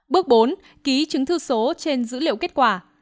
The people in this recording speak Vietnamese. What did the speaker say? bước bốn ký chứng thư số trên dữ liệu kết quả